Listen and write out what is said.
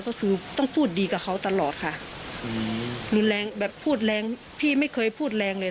ก็คือต้องพูดดีกับเขาตลอดค่ะรุนแรงแบบพูดแรงพี่ไม่เคยพูดแรงเลย